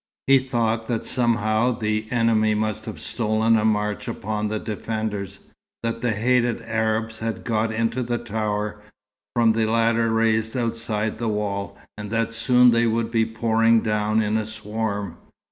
He thought that somehow the enemy must have stolen a march upon the defenders: that the hated Arabs had got into the tower, from a ladder raised outside the wall, and that soon they would be pouring down in a swarm.